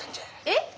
えっ！？